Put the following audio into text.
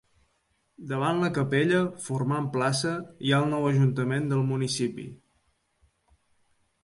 Davant la capella, formant plaça, hi ha el nou ajuntament del municipi.